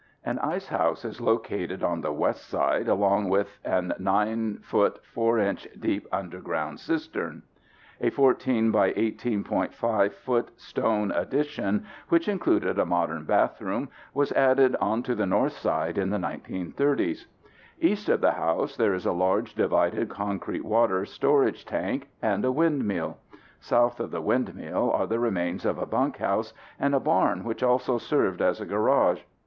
An ice house is located on the west side along with an 9' 4" deep underground cistern. A 14 by 18.5 foot stone addition, which included a modern bathroom, was added onto the north side in the 1930s. East of the house there is a large, divided concrete water storage tank and a windmill. South of the windmill are the remains of a bunkhouse, and a barn which also served as a garage.